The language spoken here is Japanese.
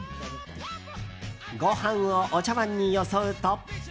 ご飯をお茶わんによそうと。